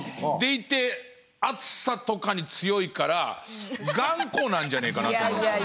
でいて熱さとかに強いから頑固なんじゃねえかなと。